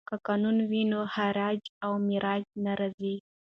که قانون وي نو هرج و مرج نه راځي.